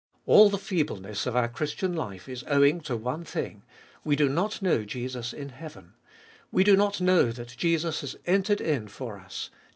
All the feebleness of our Christian life is owing to one thing : we do not know Jesus in heaven ; we do not know that Jesus has entered in for us (vi.